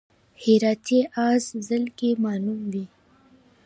هراتی اس ځل کې معلوم وي.